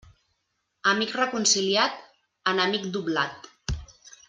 Amic reconciliat, enemic doblat.